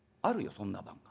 そんな晩が。